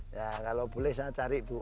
ya kalau boleh saya cari bu